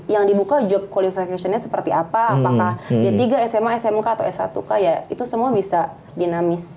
yang dibuka job qualifacation nya seperti apa apakah di tiga sma smk atau s satu k ya itu semua bisa dinamis